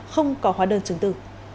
không có hóa đơn chứng tự